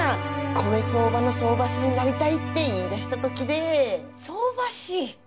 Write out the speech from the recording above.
米相場の相場師になりたいって言い出したときで・相場師？